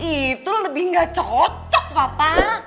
itu lebih gak cocok papa